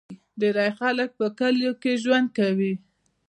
ډیری خلک په کلیو کې ژوند کوي.